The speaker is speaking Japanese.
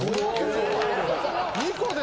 ・２個で！